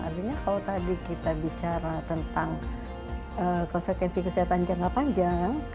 artinya kalau tadi kita bicara tentang konsekuensi kesehatan jangka panjang